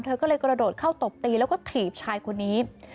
เธอก็เลยกระโดดเข้าตบตีแล้วก็ถีบชายคนนี้